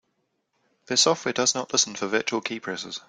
Their software does not listen for virtual keypresses.